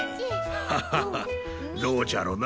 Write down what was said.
ハッハッハッどうじゃろな。